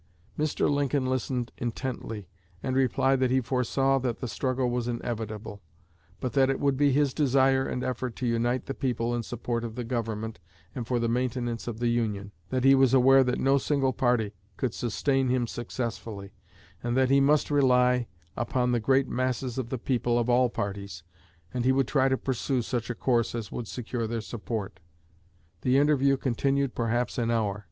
Mr. Lincoln listened intently, and replied that he foresaw that the struggle was inevitable, but that it would be his desire and effort to unite the people in support of the Government and for the maintenance of the Union; that he was aware that no single party could sustain him successfully, and that he must rely upon the great masses of the people of all parties, and he would try to pursue such a course as would secure their support. The interview continued perhaps an hour."